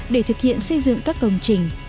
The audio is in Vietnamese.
để thực hiện xây dựng các công trình